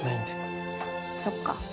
そっか。